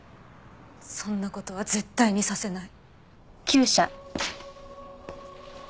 そんな事は絶対にさせない。